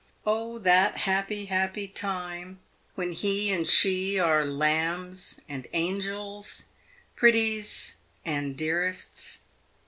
Oh, that happy, happy time, when he and she are "lambs" and "angels," "pretties" and "dearests!"